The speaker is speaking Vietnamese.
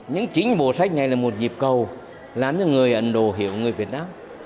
những chính bộ sách này là một dịp cầu làm cho người ấn độ hiểu người việt nam